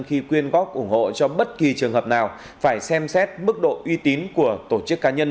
khi quyên góp ủng hộ cho bất kỳ trường hợp nào phải xem xét mức độ uy tín của tổ chức cá nhân